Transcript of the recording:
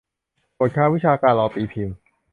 บทความวิชาการรอตีพิมพ์